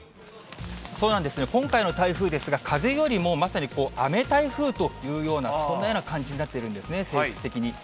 そうなんですね、今回の台風ですが、風よりもまさに雨台風というような、そんなような感じになっているんですね、性質的に。